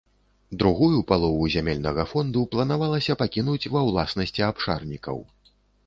Другую палову зямельнага фонду планавалася пакінуць ва ўласнасці абшарнікаў.